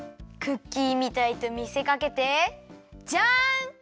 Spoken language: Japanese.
クッキーみたいとみせかけてじゃん！